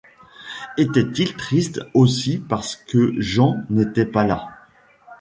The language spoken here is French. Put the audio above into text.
Etait-il triste aussi parce que Jean n’était pas là ?